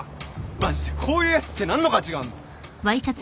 マジでこういうやつって何の価値があんの？